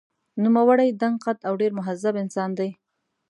نوموړی دنګ قد او ډېر مهذب انسان دی.